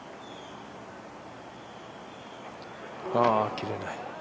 切れない。